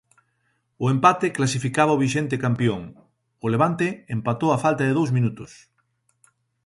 O empate clasificaba o vixente campión, o Levante empatou á falta de dous minutos.